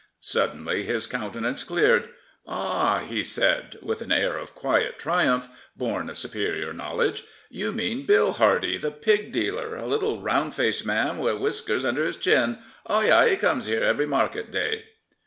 Suddenly his countenance cleared. " Ah," he said, with an air of quiet triumph, born of superior know ledge, " you mean Bill Hardy, the pig dealer, a little round faced man wi' whiskers under his chin. Oh yes, he comes here every market day."